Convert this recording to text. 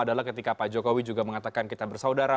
adalah ketika pak jokowi juga mengatakan kita bersaudara